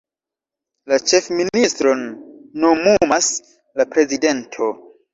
La ĉefministron nomumas la prezidento.